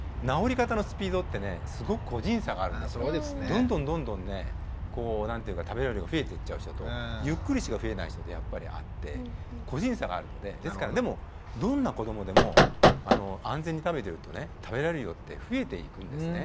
どんどんどんどんねこう何ていうか食べられる量が増えていっちゃう人とゆっくりしか増えない人とやっぱりあって個人差があるのでですからでもどんなこどもでも安全に食べてるとね食べられる量って増えていくんですね。